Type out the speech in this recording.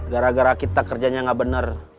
gara gara kita kerjanya gak bener